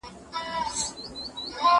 که ناروغي د دوی ماشوم ته سرايت کاوه.